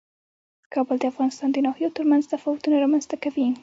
کابل د افغانستان د ناحیو ترمنځ تفاوتونه رامنځ ته کوي.